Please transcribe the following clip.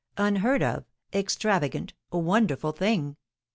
Unheard of, extravagant, wonderful thing!